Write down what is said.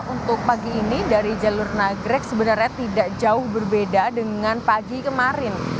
untuk pagi ini dari jalur nagrek sebenarnya tidak jauh berbeda dengan pagi kemarin